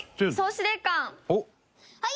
はい。